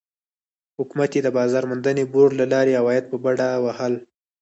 حکومت یې د بازار موندنې بورډ له لارې عواید په بډه وهل.